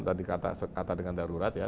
tadi kata dengan darurat ya